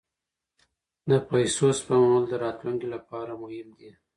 د پیسو سپمول د راتلونکي لپاره مهم دي.